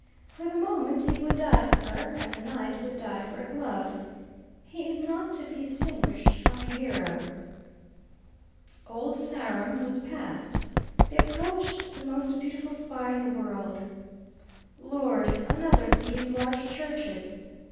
For the moment he would die for her, as a knight would die for a glove. He is not to be distinguished from a hero. Old Sarum was passed. They approached the most beautiful spire in the world. "Lord! another of these large churches!"